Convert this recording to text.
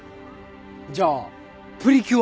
じゃあプリキュアは？